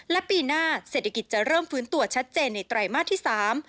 และปีหน้าเศรษฐกิจจะเริ่มฟื้นตัวชัดเจนในไตรมาสที่๓